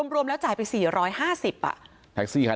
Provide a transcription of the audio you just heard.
รวมแล้วจ่ายไป๔๕๐อ่ะ